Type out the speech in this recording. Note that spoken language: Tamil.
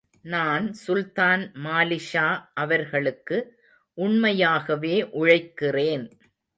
நான் சுல்தான் மாலிக்ஷா அவர்களுக்கு உண்மையாகவே உழைக்கிறேன்.